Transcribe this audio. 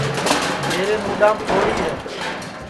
میرے موڈام پھوڑی ہے